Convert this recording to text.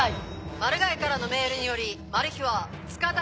マルガイからのメールによりマルヒはつかだ